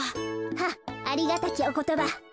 はっありがたきおことば。